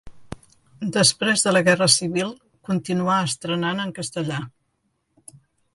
Després de la Guerra Civil continuà estrenant en castellà.